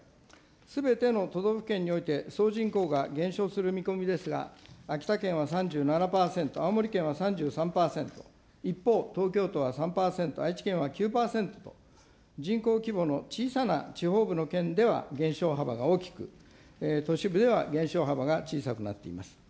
すべての都道府県において、総人口が減少する見込みですが、秋田県は３７％、青森県は３３％、一方、東京都は３％、愛知県は９％、人口規模の小さな地方部の県では減少幅が大きく、都市部では減少幅が小さくなっています。